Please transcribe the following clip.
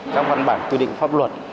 các văn bản tư định pháp luật